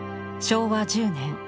昭和１０年。